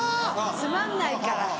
つまんないから。